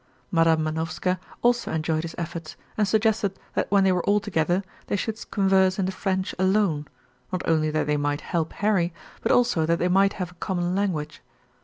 Madam Manovska also enjoyed his efforts and suggested that when they were all together they should converse in the French alone, not only that they might help Harry, but also that they might have a common language.